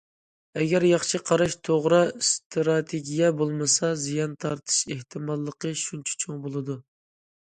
ئەگەر ياخشى قاراش، توغرا ئىستراتېگىيە بولمىسا، زىيان تارتىش ئېھتىماللىقى شۇنچە چوڭ بولىدۇ.